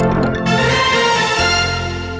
สวัสดีครับ